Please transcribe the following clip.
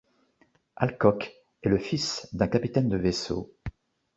Alcock est le fils d'un capitaine de vaisseau.